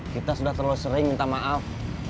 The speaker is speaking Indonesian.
kita sudah terlalu sering minta maaf